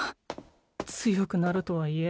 強くなるとはいえ